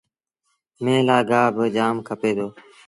ميݩهن لآ گآه با جآم کپي دو۔